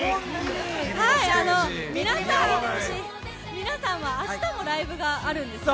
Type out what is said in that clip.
皆さんは明日もライブがあるんですよね。